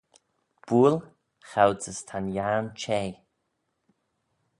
Bwoaill choud as ta'n yiarn cheh